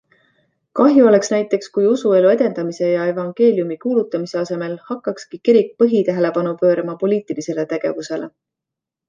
Kahju oleks näiteks, kui usuelu edendamise ja evangeeliumi kuulutamise asemel hakkakski kirik põhitähelepanu pöörama poliitilisele tegevusele.